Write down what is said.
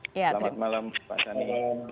selamat malam pak jani